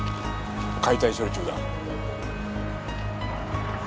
解体処理中だ。